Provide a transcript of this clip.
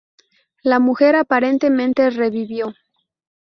La mujer aparentemente revivió.